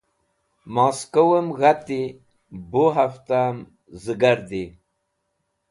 Moskowem g̃hati, bu hafta’m zẽgardi.